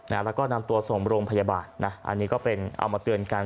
แล้วก็นำตัวส่งโรงพยาบาลนะอันนี้ก็เป็นเอามาเตือนกัน